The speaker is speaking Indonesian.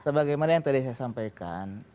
sebagai mana yang tadi saya sampaikan